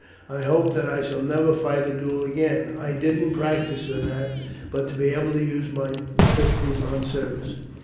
I hope that I shall never fight a duel again, and I didn't practise for that, but to be able to use my pistols on service."